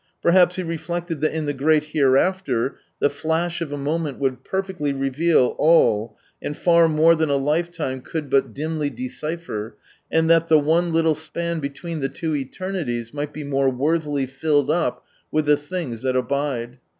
Perhaps he reflected that in the great hereafter the Rash of a moment would perfectly reveal all and far more than a life time could but dimly decipher, and that the one little span between the two eternities might be more worthily filled up with " the things that aWde."